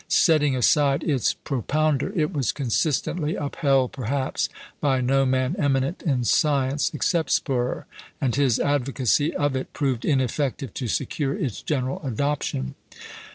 Setting aside its propounder, it was consistently upheld perhaps by no man eminent in science except Spörer; and his advocacy of it proved ineffective to secure its general adoption.